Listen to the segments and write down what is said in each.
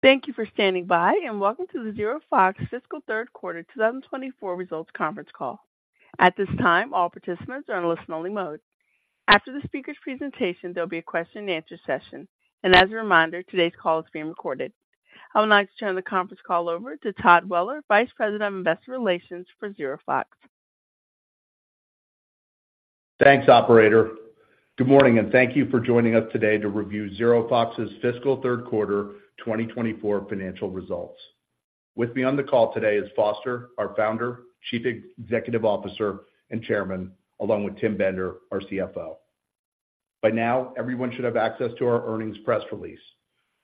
Thank you for standing by, and welcome to the ZeroFox Fiscal third quarter 2024 results conference call. At this time, all participants are in a listen-only mode. After the speaker's presentation, there'll be a question-and-answer session. As a reminder, today's call is being recorded. I would like to turn the conference call over to Todd Weller, Vice President of Investor Relations for ZeroFox. Thanks, operator. Good morning, and thank you for joining us today to review ZeroFox's fiscal third quarter 2024 financial results. With me on the call today is Foster, our Founder, Chief Executive Officer, and Chairman, along with Tim Bender, our CFO. By now, everyone should have access to our earnings press release.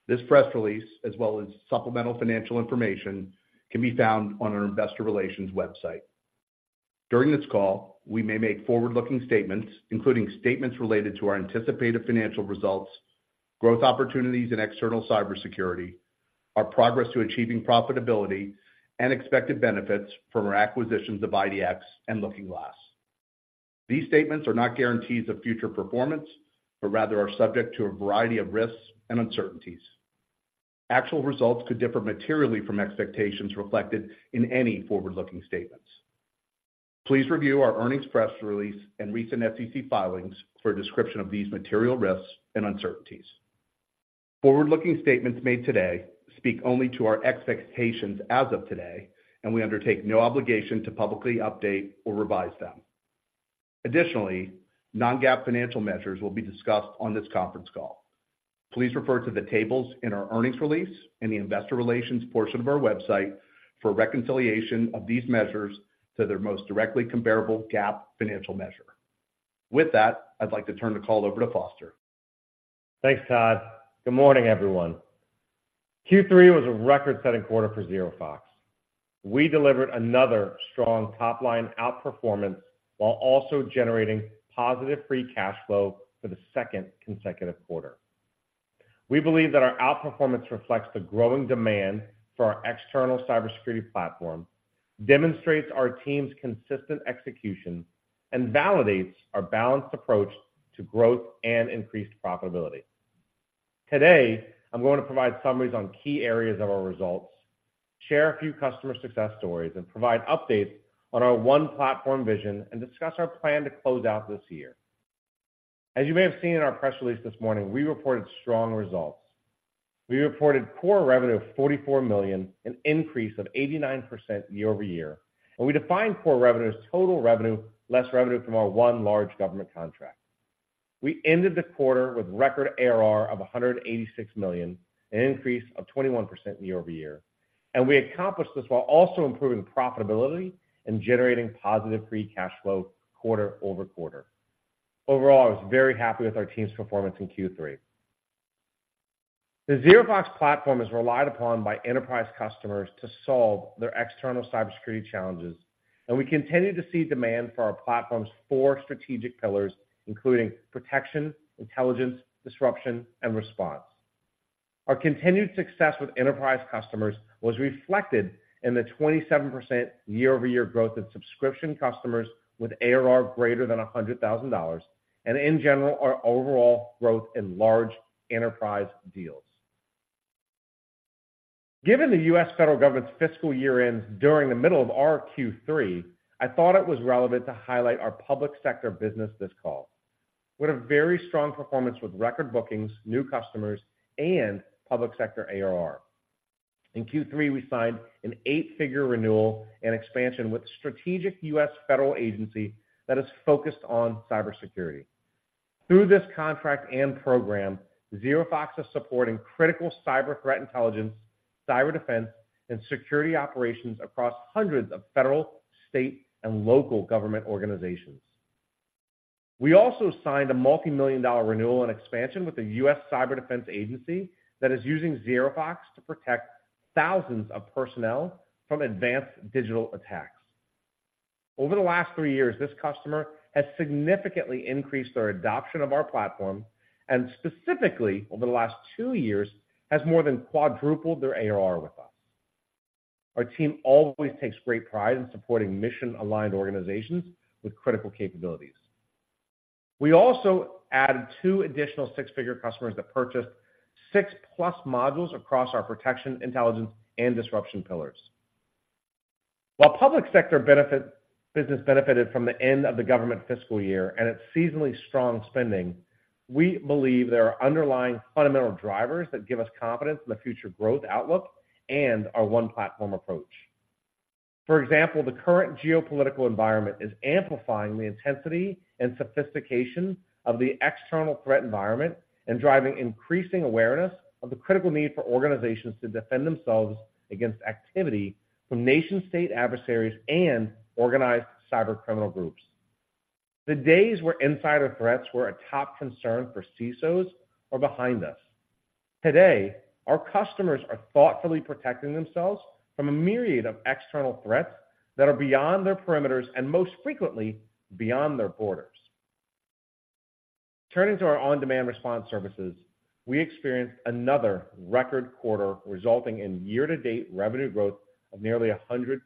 This press release, as well as supplemental financial information, can be found on our investor relations website. During this call, we may make forward-looking statements, including statements related to our anticipated financial results, growth opportunities in external cybersecurity, our progress to achieving profitability, and expected benefits from our acquisitions of IDX and LookingGlass. These statements are not guarantees of future performance, but rather are subject to a variety of risks and uncertainties. Actual results could differ materially from expectations reflected in any forward-looking statements. Please review our earnings press release and recent SEC filings for a description of these material risks and uncertainties. Forward-looking statements made today speak only to our expectations as of today, and we undertake no obligation to publicly update or revise them. Additionally, non-GAAP financial measures will be discussed on this conference call. Please refer to the tables in our earnings release in the investor relations portion of our website for reconciliation of these measures to their most directly comparable GAAP financial measure. With that, I'd like to turn the call over to Foster. Thanks, Todd. Good morning, everyone. Q3 was a record-setting quarter for ZeroFox. We delivered another strong top-line outperformance, while also generating positive free cash flow for the second consecutive quarter. We believe that our outperformance reflects the growing demand for our external cybersecurity platform, demonstrates our team's consistent execution, and validates our balanced approach to growth and increased profitability. Today, I'm going to provide summaries on key areas of our results, share a few customer success stories, and provide updates on our one-platform vision and discuss our plan to close out this year. As you may have seen in our press release this morning, we reported strong results. We reported core revenue of $44 million, an increase of 89% year-over-year, and we define core revenue as total revenue, less revenue from our one large government contract. We ended the quarter with record ARR of $186 million, an increase of 21% year-over-year, and we accomplished this while also improving profitability and generating positive free cash flow quarter-over-quarter. Overall, I was very happy with our team's performance in Q3. The ZeroFox platform is relied upon by enterprise customers to solve their external cybersecurity challenges, and we continue to see demand for our platform's four strategic pillars, including protection, intelligence, disruption, and response. Our continued success with enterprise customers was reflected in the 27% year-over-year growth in subscription customers with ARR greater than $100,000, and in general, our overall growth in large enterprise deals. Given the U.S. federal government's fiscal year ends during the middle of our Q3, I thought it was relevant to highlight our public sector business this call. We had a very strong performance with record bookings, new customers, and public sector ARR. In Q3, we signed an eight-figure renewal and expansion with a strategic U.S. federal agency that is focused on cybersecurity. Through this contract and program, ZeroFox is supporting critical cyber threat intelligence, cyber defense, and security operations across hundreds of federal, state, and local government organizations. We also signed a $multi-million-dollar renewal and expansion with the U.S. Cyber Defense Agency that is using ZeroFox to protect thousands of personnel from advanced digital attacks. Over the last three years, this customer has significantly increased their adoption of our platform and specifically, over the last two years, has more than quadrupled their ARR with us. Our team always takes great pride in supporting mission-aligned organizations with critical capabilities. We also added two additional six-figure customers that purchased 6+ modules across our protection, intelligence, and disruption pillars. While public sector benefits business benefited from the end of the government fiscal year and its seasonally strong spending, we believe there are underlying fundamental drivers that give us confidence in the future growth outlook and our one-platform approach. For example, the current geopolitical environment is amplifying the intensity and sophistication of the external threat environment and driving increasing awareness of the critical need for organizations to defend themselves against activity from nation-state adversaries and organized cybercriminal groups. The days where insider threats were a top concern for CISOs are behind us. Today, our customers are thoughtfully protecting themselves from a myriad of external threats that are beyond their perimeters, and most frequently, beyond their borders. Turning to our on-demand response services, we experienced another record quarter, resulting in year-to-date revenue growth of nearly 100%...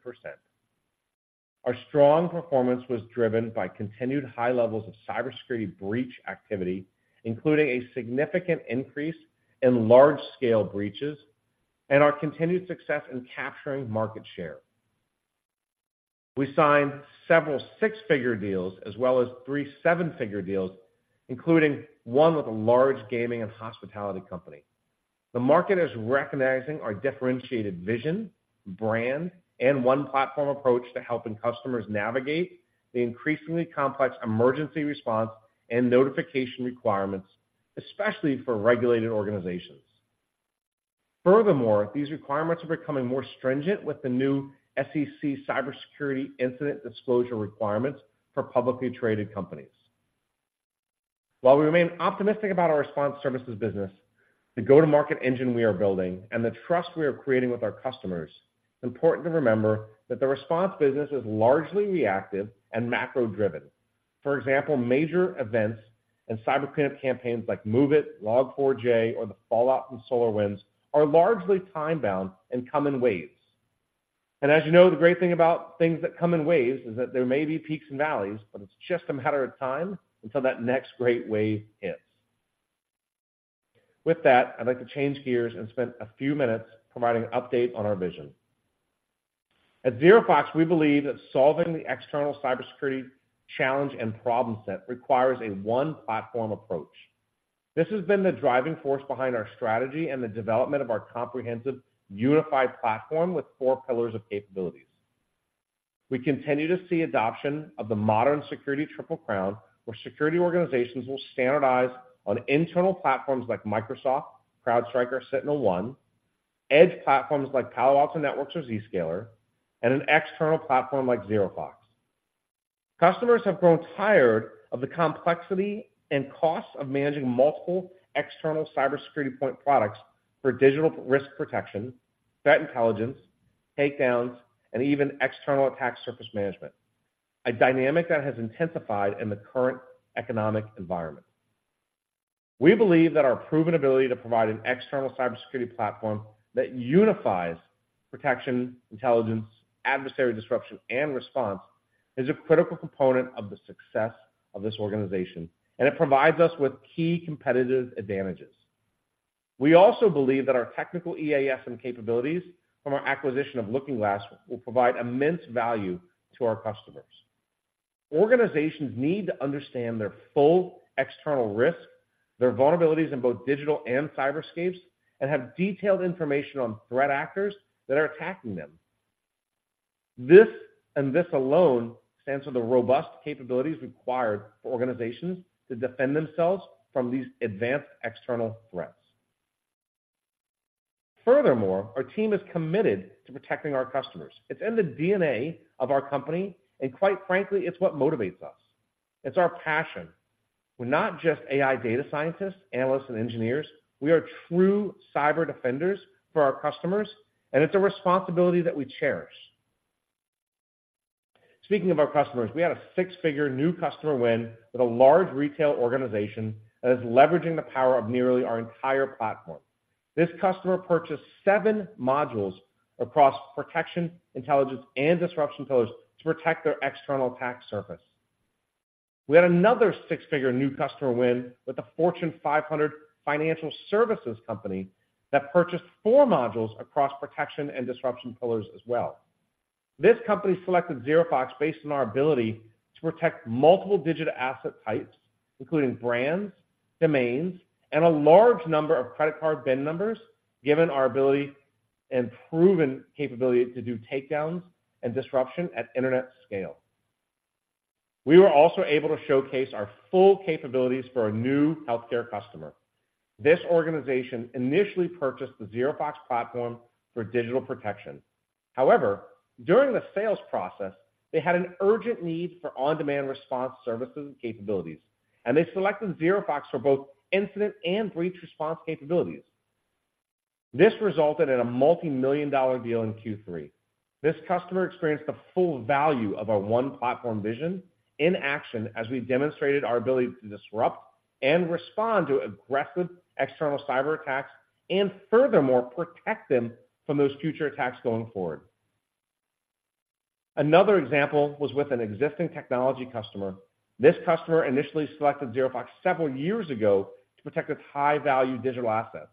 Our strong performance was driven by continued high levels of cybersecurity breach activity, including a significant increase in large-scale breaches and our continued success in capturing market share. We signed several six-figure deals, as well as three seven-figure deals, including one with a large gaming and hospitality company. The market is recognizing our differentiated vision, brand, and one platform approach to helpi ng customers navigate the increasingly complex emergency response and notification requirements, especially for regulated organizations. Furthermore, these requirements are becoming more stringent with the new SEC cybersecurity incident disclosure requirements for publicly traded companies. While we remain optimistic about our response services business, the go-to-market engine we are building, and the trust we are creating with our customers, it's important to remember that the response business is largely reactive and macro-driven. For example, major events and cyber crime campaigns like MOVEit, Log4j, or the fallout from SolarWinds are largely time-bound and come in waves. And as you know, the great thing about things that come in waves is that there may be peaks and valleys, but it's just a matter of time until that next great wave hits. With that, I'd like to change gears and spend a few minutes providing an update on our vision. At ZeroFox, we believe that solving the external cybersecurity challenge and problem set requires a one-platform approach. This has been the driving force behind our strategy and the development of our comprehensive unified platform with four pillars of capabilities. We continue to see adoption of the modern security triple crown, where security organizations will standardize on internal platforms like Microsoft, CrowdStrike, or SentinelOne, edge platforms like Palo Alto Networks or Zscaler, and an external platform like ZeroFox. Customers have grown tired of the complexity and costs of managing multiple external cybersecurity point products for digital risk protection, threat intelligence, takedowns, and even external attack surface management, a dynamic that has intensified in the current economic environment. We believe that our proven ability to provide an external cybersecurity platform that unifies protection, intelligence, adversary disruption, and response is a critical component of the success of this organization, and it provides us with key competitive advantages. We also believe that our technical EASM and capabilities from our acquisition of LookingGlass will provide immense value to our customers. Organizations need to understand their full external risk, their vulnerabilities in both digital and cyberscapes, and have detailed information on threat actors that are attacking them. This, and this alone, stands for the robust capabilities required for organizations to defend themselves from these advanced external threats. Furthermore, our team is committed to protecting our customers. It's in the DNA of our company, and quite frankly, it's what motivates us. It's our passion. We're not just AI data scientists, analysts, and engineers. We are true cyber defenders for our customers, and it's a responsibility that we cherish. Speaking of our customers, we had a six-figure new customer win with a large retail organization that is leveraging the power of nearly our entire platform. This customer purchased seven modules across protection, intelligence, and disruption pillars to protect their external attack surface. We had another six-figure new customer win with a Fortune 500 financial services company that purchased four modules across protection and disruption pillars as well. This company selected ZeroFox based on our ability to protect multiple digital asset types, including brands, domains, and a large number of credit card BIN numbers, given our ability and proven capability to do takedowns and disruption at internet scale. We were also able to showcase our full capabilities for a new healthcare customer. This organization initially purchased the ZeroFox platform for digital protection. However, during the sales process, they had an urgent need for on-demand response services and capabilities, and they selected ZeroFox for both incident and breach response capabilities. This resulted in a multimillion-dollar deal in Q3. This customer experienced the full value of our one platform vision in action as we demonstrated our ability to disrupt and respond to aggressive external cyberattacks, and furthermore, protect them from those future attacks going forward. Another example was with an existing technology customer. This customer initially selected ZeroFox several years ago to protect its high-value digital assets.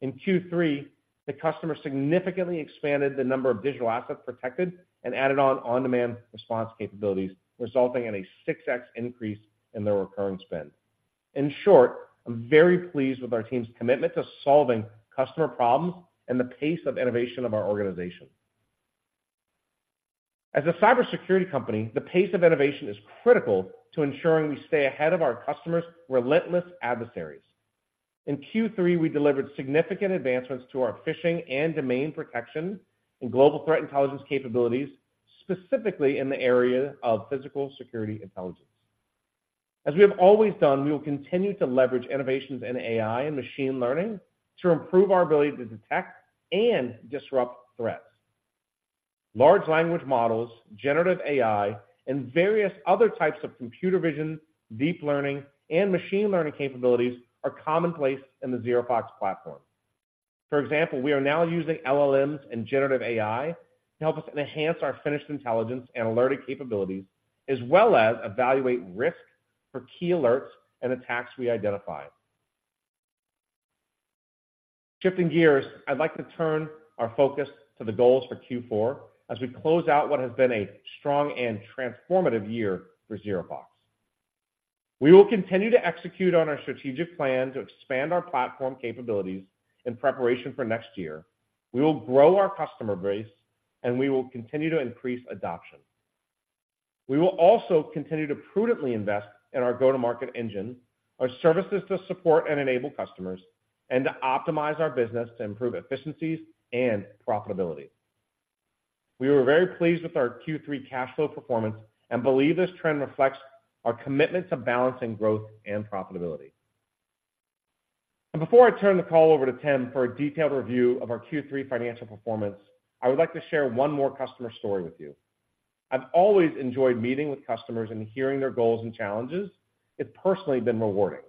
In Q3, the customer significantly expanded the number of digital assets protected and added on-demand response capabilities, resulting in a 6x increase in their recurring spend. In short, I'm very pleased with our team's commitment to solving customer problems and the pace of innovation of our organization. As a cybersecurity company, the pace of innovation is critical to ensuring we stay ahead of our customers' relentless adversaries. In Q3, we delivered significant advancements to our phishing and domain protection and global threat intelligence capabilities, specifically in the area of physical security intelligence. As we have always done, we will continue to leverage innovations in AI and machine learning to improve our ability to detect and disrupt threats. Large language models, generative AI, and various other types of computer vision, deep learning, and machine learning capabilities are commonplace in the ZeroFox platform.... For example, we are now using LLMs and generative AI to help us enhance our finished intelligence and alerting capabilities, as well as evaluate risk for key alerts and attacks we identify. Shifting gears, I'd like to turn our focus to the goals for Q4 as we close out what has been a strong and transformative year for ZeroFox. We will continue to execute on our strategic plan to expand our platform capabilities in preparation for next year. We will grow our customer base, and we will continue to increase adoption. We will also continue to prudently invest in our go-to-market engine, our services to support and enable customers, and to optimize our business to improve efficiencies and profitability. We were very pleased with our Q3 cash flow performance and believe this trend reflects our commitment to balancing growth and profitability. Before I turn the call over to Tim for a detailed review of our Q3 financial performance, I would like to share one more customer story with you. I've always enjoyed meeting with customers and hearing their goals and challenges. It's personally been rewarding.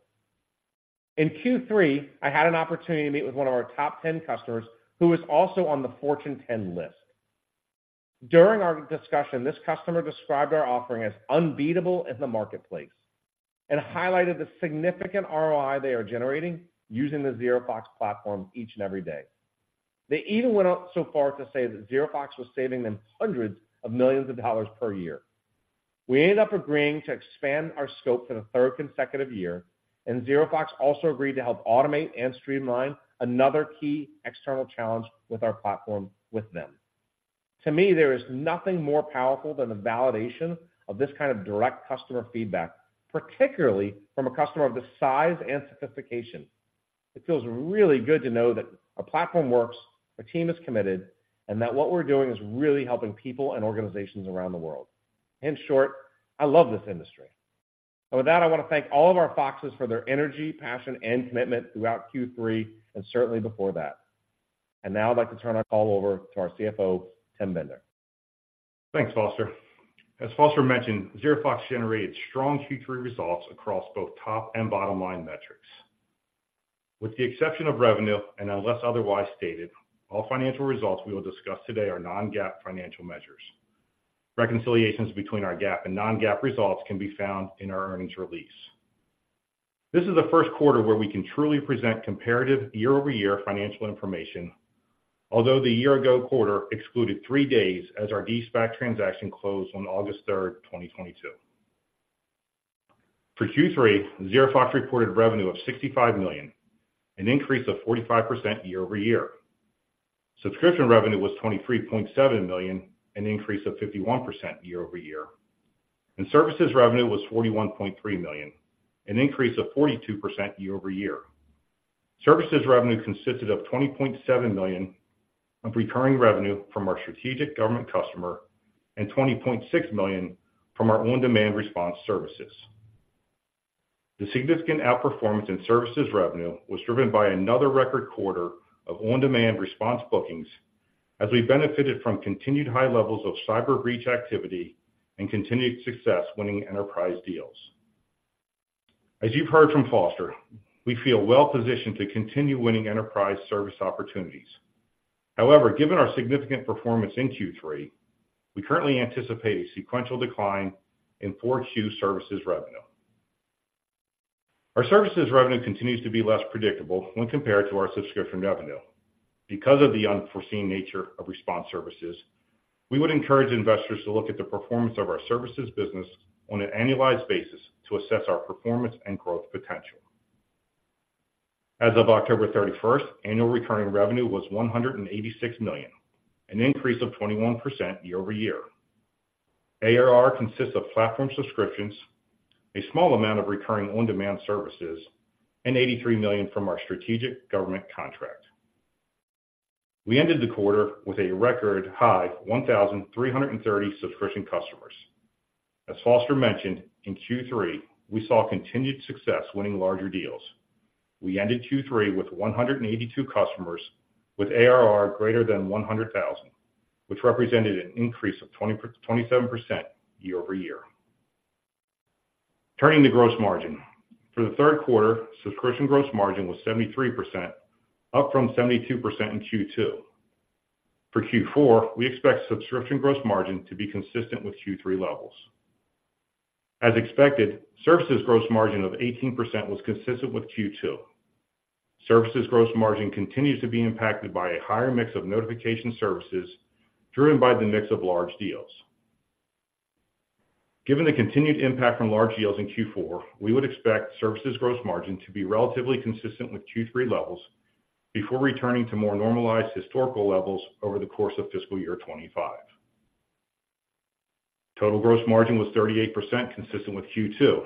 In Q3, I had an opportunity to meet with one of our top 10 customers, who is also on the Fortune 10 list. During our discussion, this customer described our offering as unbeatable in the marketplace and highlighted the significant ROI they are generating using the ZeroFox platform each and every day. They even went out so far to say that ZeroFox was saving them hundreds of millions of dollars per year. We ended up agreeing to expand our scope for the third consecutive year, and ZeroFox also agreed to help automate and streamline another key external challenge with our platform with them. To me, there is nothing more powerful than the validation of this kind of direct customer feedback, particularly from a customer of this size and sophistication. It feels really good to know that our platform works, our team is committed, and that what we're doing is really helping people and organizations around the world. In short, I love this industry. With that, I want to thank all of our Foxes for their energy, passion, and commitment throughout Q3 and certainly before that. Now I'd like to turn our call over to our CFO, Tim Bender. Thanks, Foster. As Foster mentioned, ZeroFox generated strong Q3 results across both top and bottom-line metrics. With the exception of revenue, and unless otherwise stated, all financial results we will discuss today are non-GAAP financial measures. Reconciliations between our GAAP and non-GAAP results can be found in our earnings release. This is the first quarter where we can truly present comparative year-over-year financial information, although the year-ago quarter excluded three days as our de-SPAC transaction closed on August 3rd, 2022. For Q3, ZeroFox reported revenue of $65 million, an increase of 45% year-over-year. Subscription revenue was $23.7 million, an increase of 51% year-over-year, and services revenue was $41.3 million, an increase of 42% year-over-year. Services revenue consisted of $20.7 million of recurring revenue from our strategic government customer and $20.6 million from our on-demand response services. The significant outperformance in services revenue was driven by another record quarter of on-demand response bookings, as we benefited from continued high levels of cyber breach activity and continued success winning enterprise deals. As you've heard from Foster, we feel well positioned to continue winning enterprise service opportunities. However, given our significant performance in Q3, we currently anticipate a sequential decline in 4Q services revenue. Our services revenue continues to be less predictable when compared to our subscription revenue. Because of the unforeseen nature of response services, we would encourage investors to look at the performance of our services business on an annualized basis to assess our performance and growth potential. As of October 31, annual recurring revenue was $186 million, an increase of 21% year-over-year. ARR consists of platform subscriptions, a small amount of recurring on-demand services, and $83 million from our strategic government contract. We ended the quarter with a record high, 1,330 subscription customers. As Foster mentioned, in Q3, we saw continued success winning larger deals. We ended Q3 with 182 customers, with ARR greater than $100,000, which represented an increase of 27% year-over-year. Turning to gross margin. For the third quarter, subscription gross margin was 73%, up from 72% in Q2. For Q4, we expect subscription gross margin to be consistent with Q3 levels. As expected, services gross margin of 18% was consistent with Q2. Services gross margin continues to be impacted by a higher mix of notification services, driven by the mix of large deals. Given the continued impact from large deals in Q4, we would expect services gross margin to be relatively consistent with Q3 levels before returning to more normalized historical levels over the course of fiscal year 2025. Total gross margin was 38%, consistent with Q2.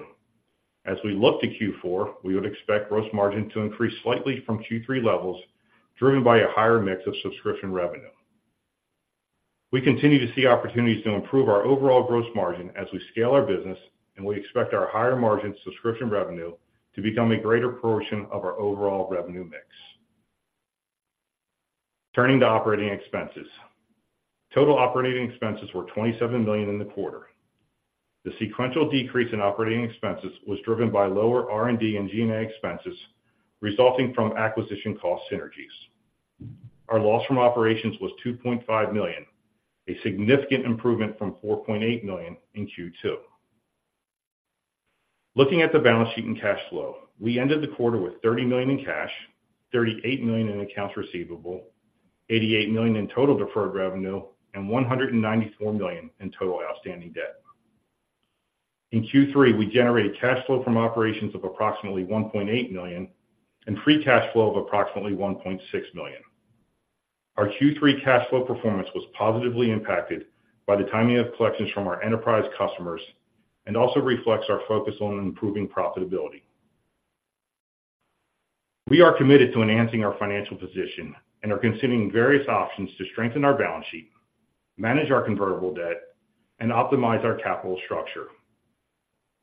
As we look to Q4, we would expect gross margin to increase slightly from Q3 levels, driven by a higher mix of subscription revenue. We continue to see opportunities to improve our overall gross margin as we scale our business, and we expect our higher margin subscription revenue to become a greater portion of our overall revenue mix. Turning to operating expenses. Total operating expenses were $27 million in the quarter. The sequential decrease in operating expenses was driven by lower R&D and G&A expenses, resulting from acquisition cost synergies. Our loss from operations was $2.5 million, a significant improvement from $4.8 million in Q2. Looking at the balance sheet and cash flow, we ended the quarter with $30 million in cash, $38 million in accounts receivable, $88 million in total deferred revenue, and $194 million in total outstanding debt. In Q3, we generated cash flow from operations of approximately $1.8 million and free cash flow of approximately $1.6 million. Our Q3 cash flow performance was positively impacted by the timing of collections from our enterprise customers and also reflects our focus on improving profitability. We are committed to enhancing our financial position and are considering various options to strengthen our balance sheet, manage our convertible debt, and optimize our capital structure.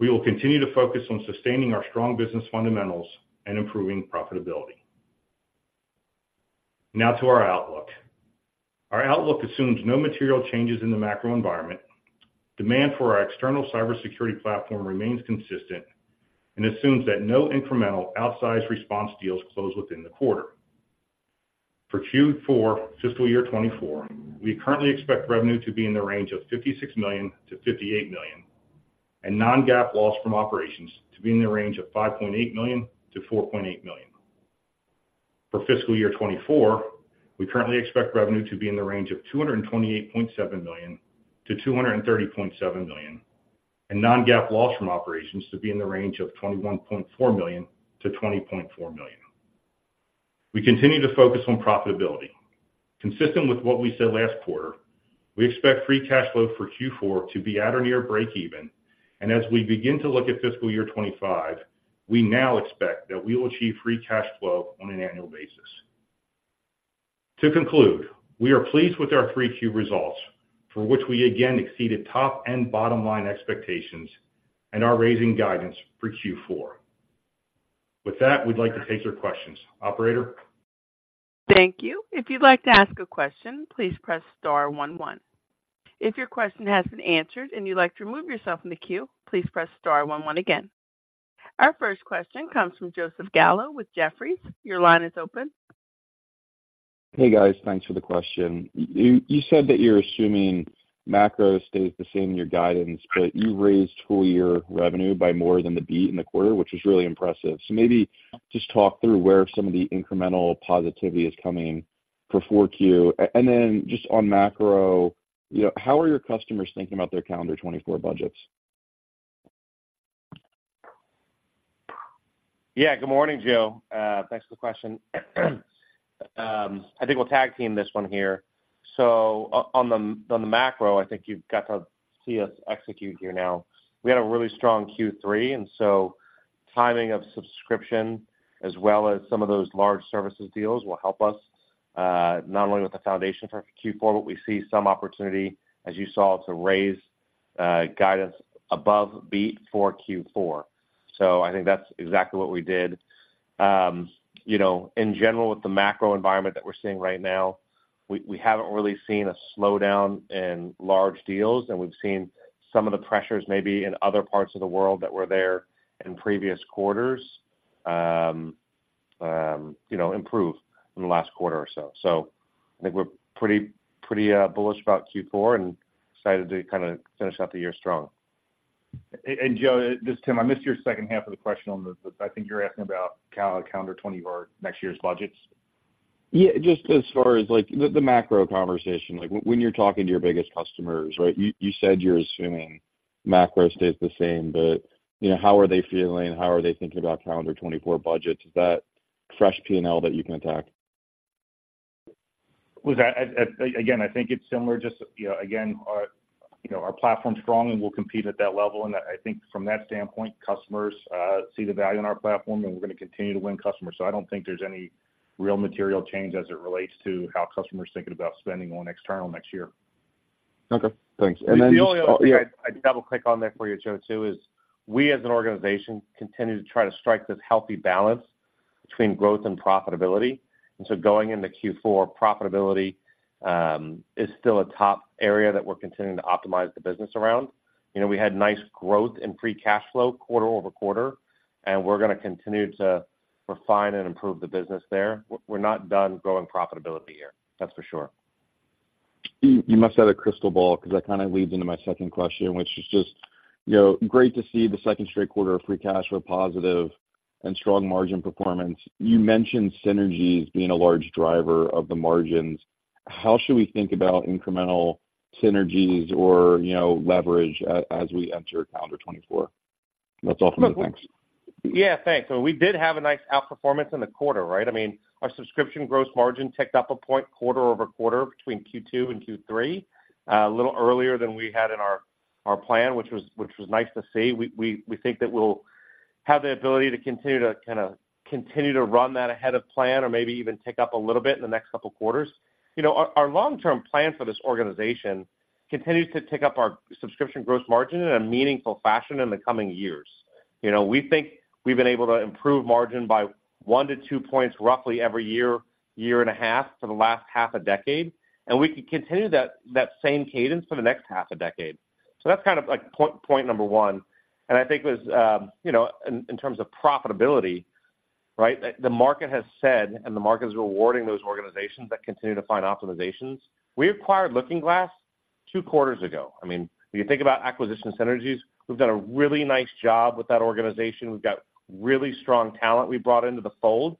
We will continue to focus on sustaining our strong business fundamentals and improving profitability. Now to our outlook. Our outlook assumes no material changes in the macro environment. Demand for our external cybersecurity platform remains consistent and assumes that no incremental outsized response deals close within the quarter. For Q4 fiscal year 2024, we currently expect revenue to be in the range of $56 million-$58 million, and non-GAAP loss from operations to be in the range of $5.8 million-$4.8 million. For fiscal year 2024, we currently expect revenue to be in the range of $228.7 million-$230.7 million, and non-GAAP loss from operations to be in the range of $21.4 million-$20.4 million. We continue to focus on profitability. Consistent with what we said last quarter, we expect free cash flow for Q4 to be at or near breakeven, and as we begin to look at fiscal year 2025, we now expect that we will achieve free cash flow on an annual basis. To conclude, we are pleased with our Q3 results, for which we again exceeded top and bottom line expectations and are raising guidance for Q4. With that, we'd like to take your questions. Operator? Thank you. If you'd like to ask a question, please press star one, one. If your question has been answered and you'd like to remove yourself from the queue, please press star one one again. Our first question comes from Joseph Gallo with Jefferies. Your line is open. Hey, guys. Thanks for the question. You said that you're assuming macro stays the same in your guidance, but you raised full year revenue by more than the beat in the quarter, which is really impressive. So maybe just talk through where some of the incremental positivity is coming for Q4. And then just on macro, you know, how are your customers thinking about their calendar 2024 budgets? Yeah, good morning, Joe. Thanks for the question. I think we'll tag team this one here. So on the macro, I think you've got to see us execute here now. We had a really strong Q3, and so timing of subscription, as well as some of those large services deals, will help us not only with the foundation for Q4, but we see some opportunity, as you saw, to raise guidance above beat for Q4. So I think that's exactly what we did. You know, in general, with the macro environment that we're seeing right now, we haven't really seen a slowdown in large deals, and we've seen some of the pressures maybe in other parts of the world that were there in previous quarters, you know, improve in the last quarter or so. So I think we're pretty, pretty, bullish about Q4 and excited to kind of finish out the year strong. And Joe, this is Tim. I missed your second half of the question on this, but I think you're asking about calendar 2020 or next year's budgets. Yeah, just as far as, like, the macro conversation. Like, when you're talking to your biggest customers, right, you said you're assuming macro stays the same, but, you know, how are they feeling? How are they thinking about calendar 2024 budgets? Is that fresh P&L that you can attack? With that, again, I think it's similar. Just, you know, again, our, you know, our platform's strong, and we'll compete at that level. And I think from that standpoint, customers see the value in our platform, and we're gonna continue to win customers. So I don't think there's any real material change as it relates to how customers are thinking about spending on external next year. Okay, thanks. And then- The only other thing I'd double-click on there for you, Joe, too, is we as an organization continue to try to strike this healthy balance between growth and profitability. And so going into Q4, profitability is still a top area that we're continuing to optimize the business around. You know, we had nice growth in free cash flow quarter-over-quarter, and we're gonna continue to refine and improve the business there. We're not done growing profitability here, that's for sure. You, you must have a crystal ball, because that kind of leads into my second question, which is just, you know, great to see the second straight quarter of free cash flow positive and strong margin performance. You mentioned synergies being a large driver of the margins. How should we think about incremental synergies or, you know, leverage a- as we enter calendar 2024? That's all for me. Thanks. Yeah, thanks. So we did have a nice outperformance in the quarter, right? I mean, our subscription gross margin ticked up a point quarter over quarter between Q2 and Q3, a little earlier than we had in our plan, which was nice to see. We think that we'll have the ability to continue to kind of continue to run that ahead of plan or maybe even tick up a little bit in the next couple of quarters. You know, our long-term plan for this organization continues to tick up our subscription gross margin in a meaningful fashion in the coming years.... You know, we think we've been able to improve margin by one to two points roughly every year, year and a half, for the last half a decade, and we can continue that same cadence for the next half a decade. So that's kind of like point number one. And I think it was, you know, in terms of profitability, right? The market has said, and the market is rewarding those organizations that continue to find optimizations. We acquired Looking Glass two quarters ago. I mean, when you think about acquisition synergies, we've done a really nice job with that organization. We've got really strong talent we brought into the fold,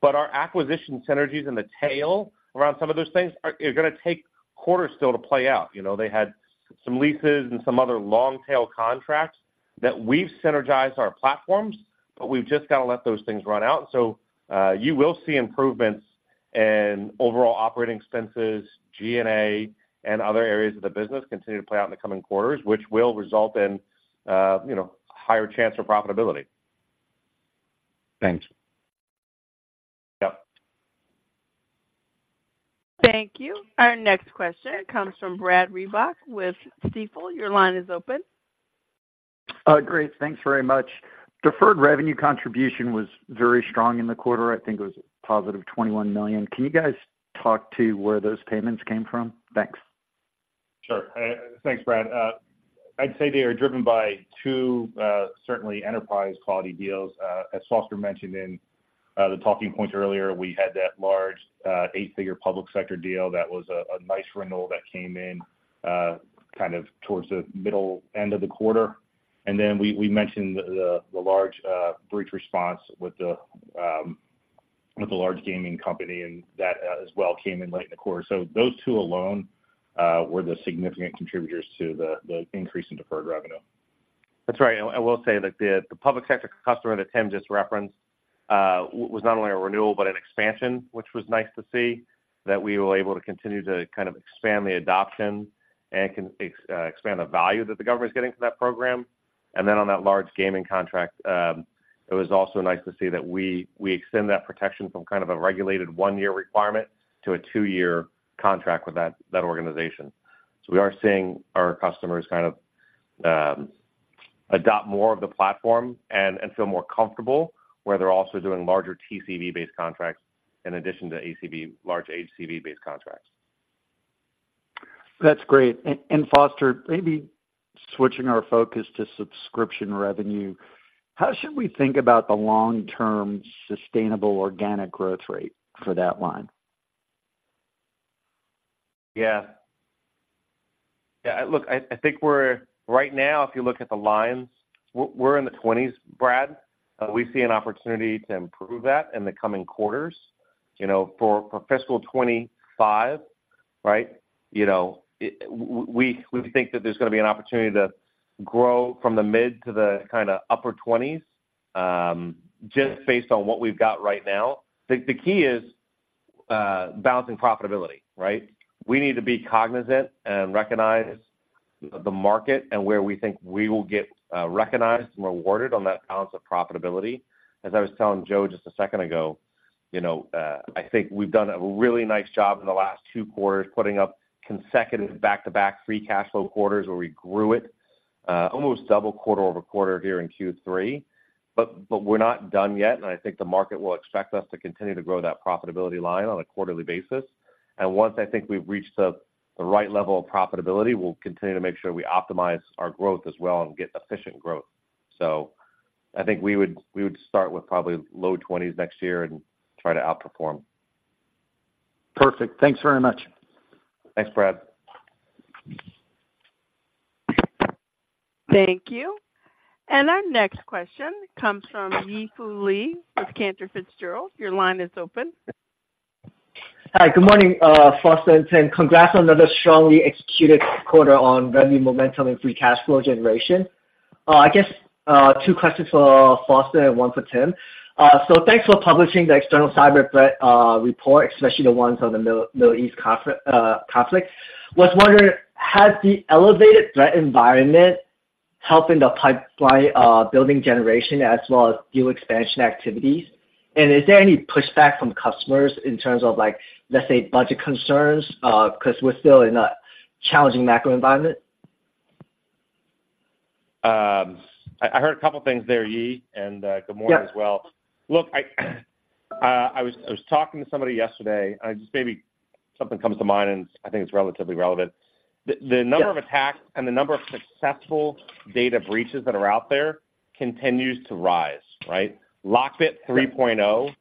but our acquisition synergies in the tail around some of those things are gonna take quarters still to play out. You know, they had some leases and some other long-tail contracts that we've synergized our platforms, but we've just got to let those things run out. So, you will see improvements in overall operating expenses, G&A, and other areas of the business continue to play out in the coming quarters, which will result in, you know, higher chance of profitability. Thanks. Yep. Thank you. Our next question comes from Brad Reback with Stifel. Your line is open. Great. Thanks very much. Deferred revenue contribution was very strong in the quarter. I think it was +$21 million. Can you guys talk to where those payments came from? Thanks. Sure. Thanks, Brad. I'd say they are driven by two, certainly enterprise-quality deals. As Foster mentioned in the talking points earlier, we had that large, eight-figure public sector deal. That was a nice renewal that came in, kind of towards the middle end of the quarter. And then we mentioned the large, breach response with the large gaming company, and that, as well came in late in the quarter. So those two alone, were the significant contributors to the increase in deferred revenue. That's right. I will say that the public sector customer that Tim just referenced was not only a renewal but an expansion, which was nice to see, that we were able to continue to kind of expand the adoption and expand the value that the government is getting from that program. And then on that large gaming contract, it was also nice to see that we extend that protection from kind of a regulated one-year requirement to a two-year contract with that organization. So we are seeing our customers kind of adopt more of the platform and feel more comfortable, where they're also doing larger TCV-based contracts in addition to large ACV-based contracts. That's great. And Foster, maybe switching our focus to subscription revenue, how should we think about the long-term sustainable organic growth rate for that line? Yeah. Yeah, look, I think we're right now, if you look at the lines, we're in the 20s, Brad. We see an opportunity to improve that in the coming quarters. You know, for fiscal 2025, right, you know, we think that there's gonna be an opportunity to grow from the mid- to the kinda upper 20s, just based on what we've got right now. The key is balancing profitability, right? We need to be cognizant and recognize the market and where we think we will get recognized and rewarded on that balance of profitability. As I was telling Joe just a second ago, you know, I think we've done a really nice job in the last two quarters, putting up consecutive back-to-back free cash flow quarters, where we grew it, almost double quarter-over-quarter here in Q3. But, but we're not done yet, and I think the market will expect us to continue to grow that profitability line on a quarterly basis. And once I think we've reached the, the right level of profitability, we'll continue to make sure we optimize our growth as well and get efficient growth. So I think we would, we would start with probably low twenties next year and try to outperform. Perfect. Thanks very much. Thanks, Brad. Thank you. And our next question comes from Yi Fu Lee with Cantor Fitzgerald. Your line is open. Hi, good morning, Foster and Tim. Congrats on another strongly executed quarter on revenue momentum and free cash flow generation. I guess two questions for Foster and one for Tim. So thanks for publishing the external cyber threat report, especially the ones on the Middle East conflict. Was wondering, has the elevated threat environment helped in the pipeline building generation as well as deal expansion activities? And is there any pushback from customers in terms of, like, let's say, budget concerns because we're still in a challenging macro environment? I heard a couple of things there, Yi, and good morning as well. Yeah. Look, I was talking to somebody yesterday, and just maybe something comes to mind, and I think it's relatively relevant. Yeah. The number of attacks and the number of successful data breaches that are out there continues to rise, right? LockBit 3.0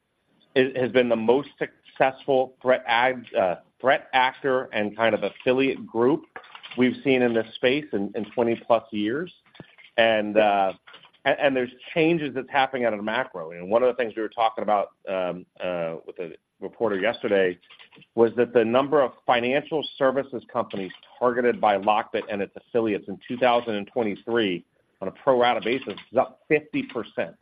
has been the most successful threat actor and kind of affiliate group we've seen in this space in 20+ years. And there's changes that's happening out of the macro. And one of the things we were talking about with a reporter yesterday was that the number of financial services companies targeted by LockBit and its affiliates in 2023 on a pro rata basis is up 50%.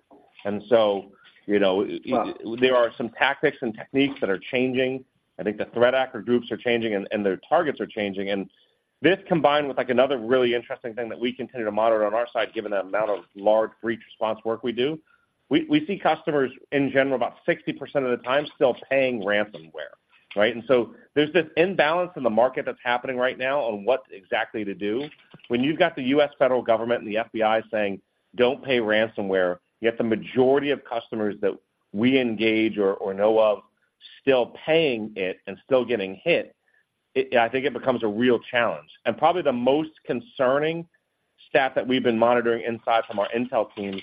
And so, you know, Wow! There are some tactics and techniques that are changing. I think the threat actor groups are changing, and their targets are changing. And this, combined with, like, another really interesting thing that we continue to monitor on our side, given the amount of large breach response work we do, we see customers, in general, about 60% of the time, still paying ransomware… Right? And so there's this imbalance in the market that's happening right now on what exactly to do. When you've got the U.S. federal government and the FBI saying, "Don't pay ransomware," yet the majority of customers that we engage or know of still paying it and still getting hit, it. I think it becomes a real challenge. And probably the most concerning stat that we've been monitoring inside from our intel team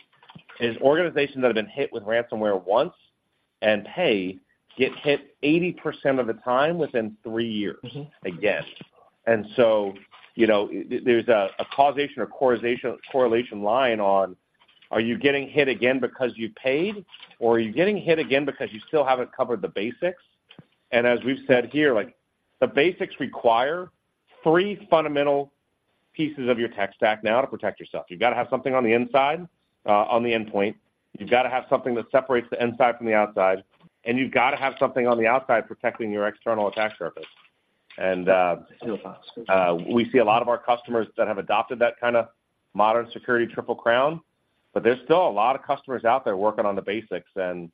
is organizations that have been hit with ransomware once and pay, get hit 80% of the time within three years again. And so, you know, there, there's a causation or correlation line on, are you getting hit again because you paid, or are you getting hit again because you still haven't covered the basics? And as we've said here, like, the basics require three fundamental pieces of your tech stack now to protect yourself. You've got to have something on the inside, on the endpoint. You've got to have something that separates the inside from the outside, and you've got to have something on the outside protecting your external attack surface. We see a lot of our customers that have adopted that kind of modern security triple crown, but there's still a lot of customers out there working on the basics and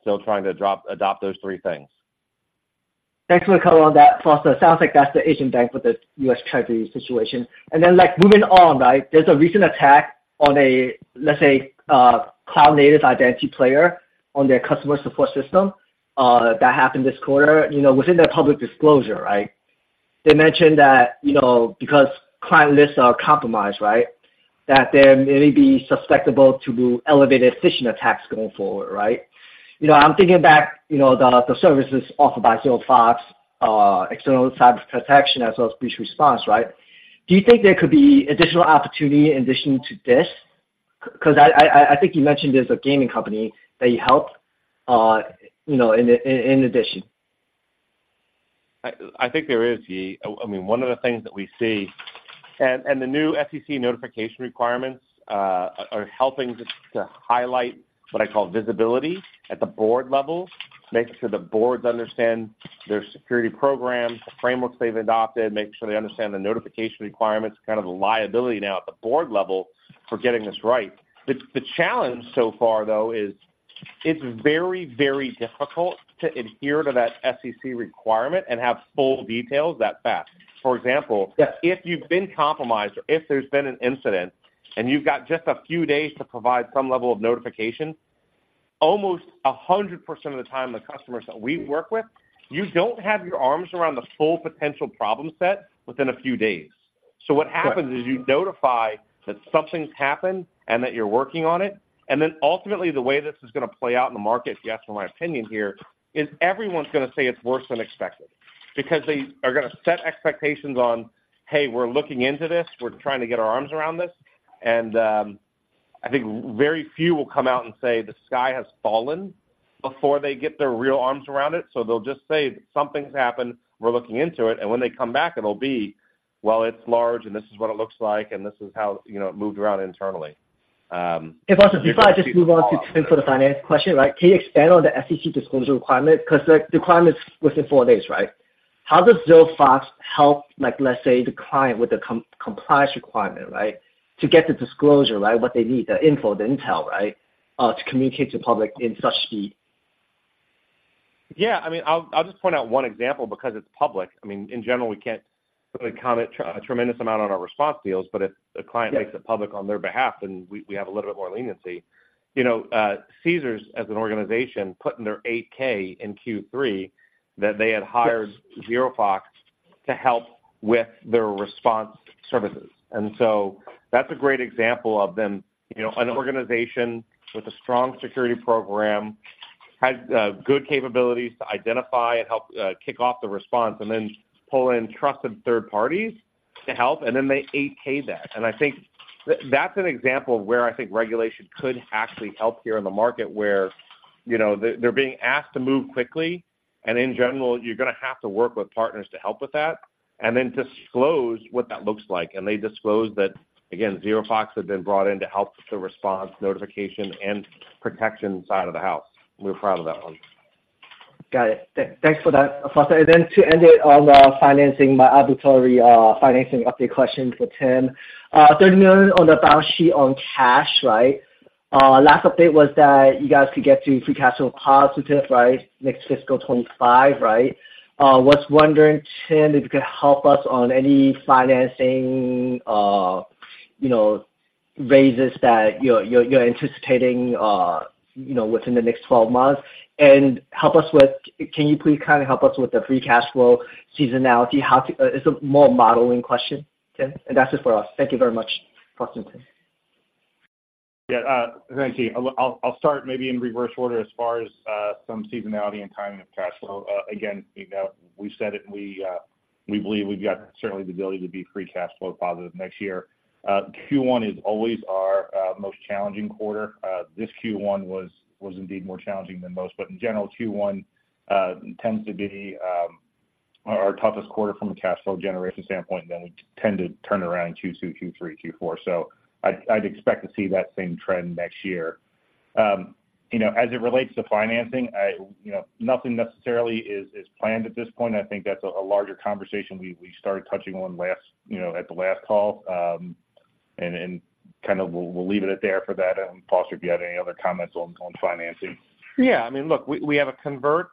still trying to adopt those three things. Thanks for the color on that, Foster. It sounds like that's the Asian bank with the U.S. Treasury situation. And then, like, moving on, right? There's a recent attack on a, let's say, cloud-native identity player on their customer support system that happened this quarter. You know, within their public disclosure, right? They mentioned that, you know, because client lists are compromised, right? That they may be susceptible to elevated phishing attacks going forward, right? You know, I'm thinking back, you know, the services offered by ZeroFox, external cyber protection as well as breach response, right? Do you think there could be additional opportunity in addition to this? 'Cause I think you mentioned there's a gaming company that you helped, you know, in addition. I think there is, Yi. I mean, one of the things that we see. And the new SEC notification requirements are helping to highlight what I call visibility at the board level, making sure the boards understand their security programs, the frameworks they've adopted, make sure they understand the notification requirements, kind of the liability now at the board level for getting this right. The challenge so far, though, is it's very, very difficult to adhere to that SEC requirement and have full details that fast. For example- Yes. If you've been compromised or if there's been an incident, and you've got just a few days to provide some level of notification, almost 100% of the time, the customers that we work with, you don't have your arms around the full potential problem set within a few days. Right. So what happens is you notify that something's happened and that you're working on it, and then ultimately, the way this is gonna play out in the market, if you ask for my opinion here, is everyone's gonna say it's worse than expected. Because they are gonna set expectations on, "Hey, we're looking into this. We're trying to get our arms around this." And, I think very few will come out and say, "The sky has fallen," before they get their real arms around it. So they'll just say: Something's happened, we're looking into it. And when they come back, it'll be, "Well, it's large, and this is what it looks like, and this is how, you know, it moved around internally. Hey, Foster, before I just move on to Tim for the finance question, right? Can you expand on the SEC disclosure requirement? 'Cause, like, the requirement is within four days, right? How does ZeroFox help, like, let's say, the client with the compliance requirement, right? To get the disclosure right, what they need, the info, the intel, right, to communicate to public in such speed. Yeah, I mean, I'll, I'll just point out one example because it's public. I mean, in general, we can't really comment a tremendous amount on our response deals, but if a client- Yes... makes it public on their behalf, then we, we have a little bit more leniency. You know, Caesars, as an organization, put in their 8-K in Q3 that they had hired- Yes... ZeroFox to help with their response services. And so that's a great example of them, you know, an organization with a strong security program, has good capabilities to identify and help kick off the response and then pull in trusted third parties to help, and then they 8-K that. And I think that's an example of where I think regulation could actually help here in the market, where, you know, they're, they're being asked to move quickly, and in general, you're gonna have to work with partners to help with that and then disclose what that looks like. And they disclosed that, again, ZeroFox had been brought in to help with the response, notification, and protection side of the house. We're proud of that one. Got it. Thanks for that, Foster. And then to end it on financing, my obligatory financing update question for Tim. Thirty million on the balance sheet on cash, right? Last update was that you guys could get to free cash flow positive, right, next fiscal 2025, right? Was wondering, Tim, if you could help us on any financing, you know, raises that you're anticipating, you know, within the next 12 months? And help us with-- Can you please kind of help us with the free cash flow seasonality? How to... It's a more modeling question, Tim, and that's it for us. Thank you very much, Foster and Tim. Yeah, thank you. I'll start maybe in reverse order as far as some seasonality and timing of cash flow. Again, you know, we've said it, and we believe we've got certainly the ability to be free cash flow positive next year. Q1 is always our most challenging quarter. This Q1 was indeed more challenging than most. But in general, Q1 tends to be our toughest quarter from a cash flow generation standpoint, and then we tend to turn around in Q2, Q3, Q4. So I'd expect to see that same trend next year. You know, as it relates to financing, I, you know, nothing necessarily is planned at this point. I think that's a larger conversation we started touching on last, you know, at the last call. And kind of we'll leave it at that for that. And Foster, if you have any other comments on financing. Yeah. I mean, look, we have a convert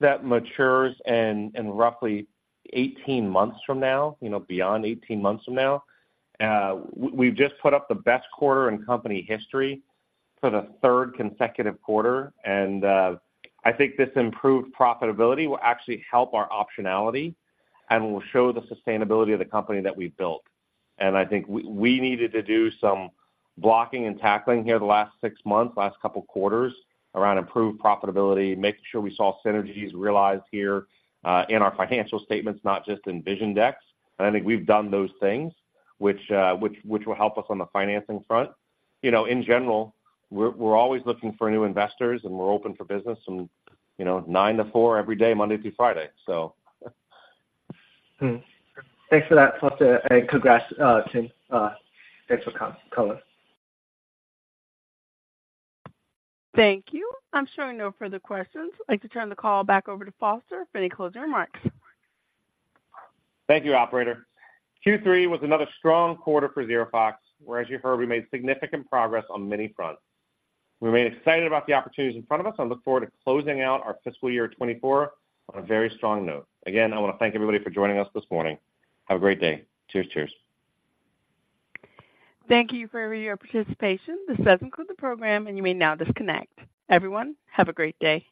that matures in roughly 18 months from now, you know, beyond 18 months from now. We've just put up the best quarter in company history for the third consecutive quarter, and I think this improved profitability will actually help our optionality and will show the sustainability of the company that we've built. And I think we needed to do some blocking and tackling here the last six months, last couple of quarters, around improved profitability, making sure we saw synergies realized here in our financial statements, not just in vision decks. And I think we've done those things which will help us on the financing front. You know, in general, we're always looking for new investors, and we're open for business from, you know, 9:00 A.M. to 4:00 P.M. every day, Monday through Friday, so. Thanks for that, Foster, and congrats, Tim. Thanks for the color. Thank you. I'm showing no further questions. I'd like to turn the call back over to Foster for any closing remarks. Thank you, operator. Q3 was another strong quarter for ZeroFox, where, as you heard, we made significant progress on many fronts. We remain excited about the opportunities in front of us and look forward to closing out our fiscal year 2024 on a very strong note. Again, I want to thank everybody for joining us this morning. Have a great day. Cheers, cheers. Thank you for your participation. This does conclude the program, and you may now disconnect. Everyone, have a great day!